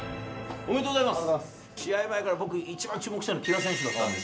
ありがとうございます。